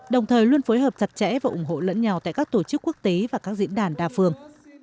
đồng thời luôn phối hợp chặt chẽ và ủng hộ lẫn nhau tại các tổ chức quốc tế và các diễn đàn đa phương